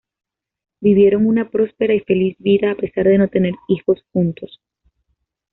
Vivieron una próspera y feliz vida a pesar de no tener hijos juntos.